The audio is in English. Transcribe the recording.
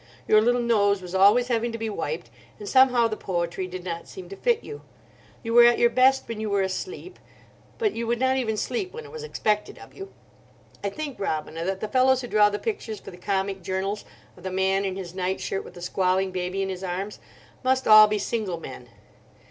Your little nose was always having to be wiped, and somehow the poetry did not seem to fit you. You were at your best when you were asleep, but you would not even sleep when it was expected of you. I think, Robina, that the fellows who draw the pictures for the comic journals of the man in his night shirt with the squalling baby in his arms must all be single men.